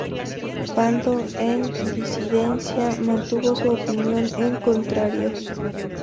Pando, en disidencia, mantuvo su opinión en contrario.